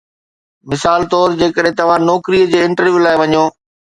مثال طور جيڪڏهن توهان نوڪريءَ جي انٽرويو لاءِ وڃو